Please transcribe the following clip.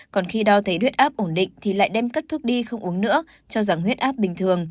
còn khi đau thấy huyết áp ổn định thì lại đem các thuốc đi không uống nữa cho rằng huyết áp bình thường